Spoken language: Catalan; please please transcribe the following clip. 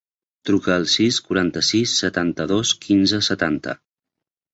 Truca al sis, quaranta-sis, setanta-dos, quinze, setanta.